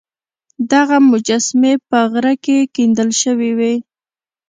دغه مجسمې په غره کې کیندل شوې وې